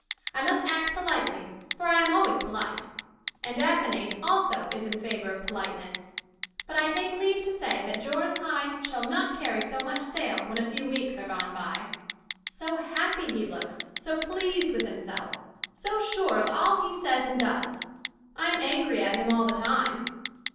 I must act politely for I am always polite and Athanase also is in favour of politeness but I take leave to say that Joris Hyde shall not carry so much sail when a few weeks are gone by. So happy he looks! So pleased with himself! So sure of all he says and does! I am angry at him all the time.